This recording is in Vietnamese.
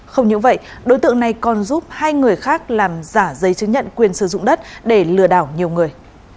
không những vậy đối tượng này còn giúp hai người khác làm giả giấy chứng nhận quyền sử dụng đất để lừa đảo nhiều người